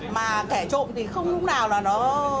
mà kẻ trộm thì không lúc nào là nó